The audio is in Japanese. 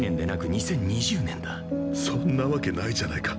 そんなわけないじゃないか。